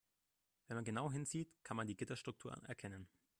Wenn man genau hinsieht, kann man die Gitterstruktur erkennen.